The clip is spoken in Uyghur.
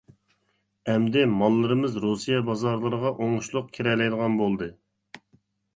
ئەمدى ماللىرىمىز رۇسىيە بازارلىرىغا ئوڭۇشلۇق كىرەلەيدىغان بولدى.